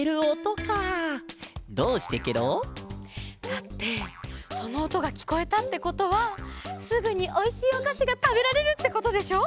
だってそのおとがきこえたってことはすぐにおいしいおかしがたべられるってことでしょ？